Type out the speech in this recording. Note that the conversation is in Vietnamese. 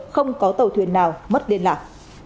không có tàu thuyền nào mất liên lạc